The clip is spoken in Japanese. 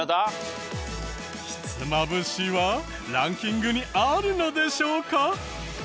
ひつまぶしはランキングにあるのでしょうか？